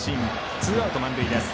ツーアウト、満塁です。